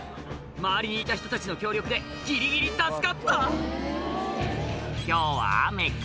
周りにいた人たちの協力でギリギリ助かった「今日は雨か」